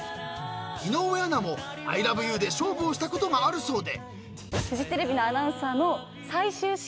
［井上アナも『ＩＬＯＶＥＹＯＵ』で勝負をしたことがあるそうで］